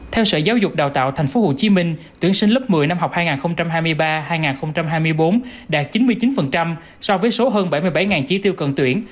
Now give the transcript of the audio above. theo sở giáo dục đào tạo tp hcm tuyển sinh lớp một mươi năm học hai nghìn hai mươi ba hai nghìn hai mươi bốn đạt chín mươi chín so với số hơn bảy mươi bảy trí tiêu cần tuyển